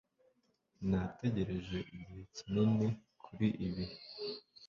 nategereje igihe kinini kuri ibi